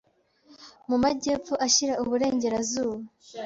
mu majyepfo ashyira uburengerazuba